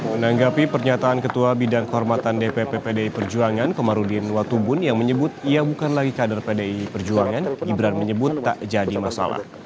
menanggapi pernyataan ketua bidang kehormatan dpp pdi perjuangan komarudin watubun yang menyebut ia bukan lagi kader pdi perjuangan gibran menyebut tak jadi masalah